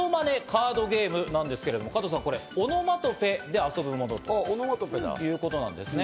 カードゲームなんですけれども、加藤さん、これオノマトペで遊ぶものということですね。